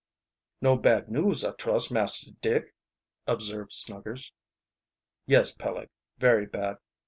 "No bad news, I trust, Master Dick," observed Snuggers. "Yes, Peleg, very bad.